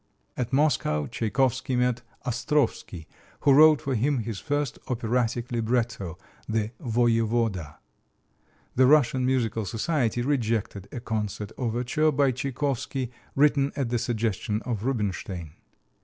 At Moscow Tchaikovsky met Ostrovsky, who wrote for him his first operatic libretto, "The Voyevoda." The Russian Musical Society rejected a concert overture by Tchaikovsky, written at the suggestion of Rubinstein.